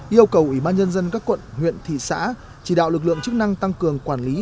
yêu cầu ủy ban nhân dân các quận huyện thị xã chỉ đạo lực lượng chức năng tăng cường quản lý